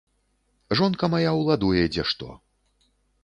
Жонка мая ўладуе дзе што.